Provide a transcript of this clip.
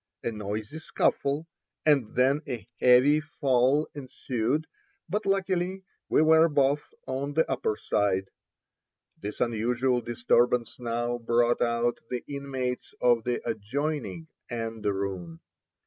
A noisy scuffle, and then a heavy fall ensued, but luckily we were both on the upper side. This unusual disturbance now brought out the inmates of the adjoining anderoon.